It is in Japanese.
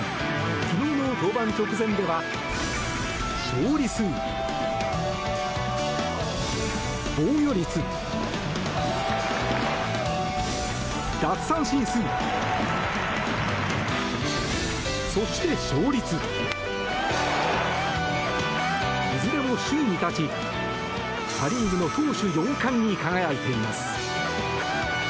昨日の登板直前では、勝利数防御率奪三振数そして勝率いずれも首位に立ちパ・リーグの投手４冠に輝いています。